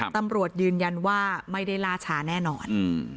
ตำรวจยืนยันว่าไม่ได้ล่าช้าแน่นอน